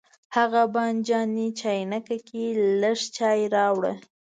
هغه بانجاني چاینکه کې لږ چای راوړه.